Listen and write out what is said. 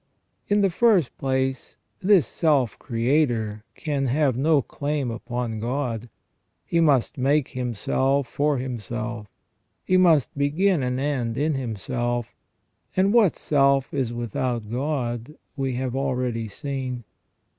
In the first place, this self creator can have no claim upon God : he must make himself for himself; he must begin and end in himself; and what self is without God we have already seen.